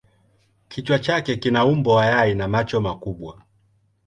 Kichwa chake kina umbo wa yai na macho makubwa.